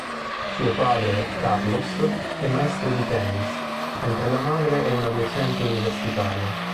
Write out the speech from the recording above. Suo padre, Carlos, è maestro di tennis, mentre la madre è una docente universitaria.